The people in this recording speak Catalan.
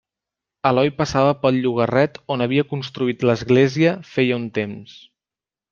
Eloi passava pel llogarret, on havia construït l'església feia un temps.